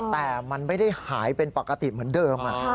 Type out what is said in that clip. แต่มันไม่ได้หายเป็นปกติเหมือนเดิม